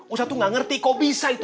ustadz tuh gak ngerti kok bisa itu